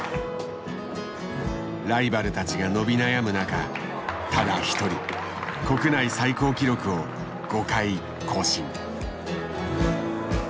ライバルたちが伸び悩む中ただ一人国内最高記録を５回更新。